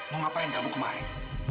mau ngapain kamu kemarin